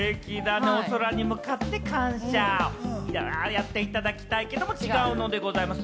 やっていただきたいけれども、違うんでございます。